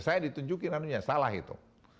saya ditunjukin namanya salah itu